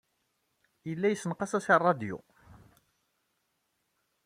Yella yessenqas-as i ṛṛadyu.